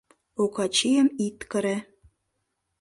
— Окачийым ит кыре...